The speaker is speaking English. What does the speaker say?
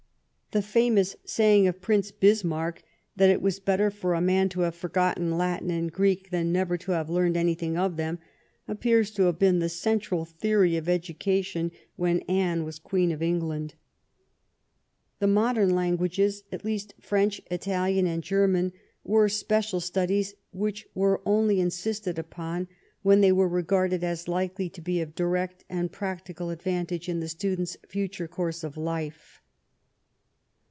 The famous saying of Prince Bismarck, that it was better for a man to have forgotten Latin and Greek than never to have learned anything of them, appears to have been the central theory of education when Anne was Queen of England. The modem languages — at least French, Italian, and German — ^were special studies which were only insisted upon when they were regarded as likely to be of direct and practical advan tage in the student's future course of life.